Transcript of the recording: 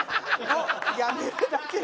「辞めるだけで」。